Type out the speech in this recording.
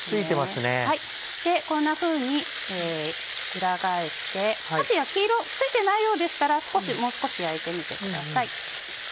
こんなふうに裏返してもし焼き色ついてないようでしたらもう少し焼いてみてください。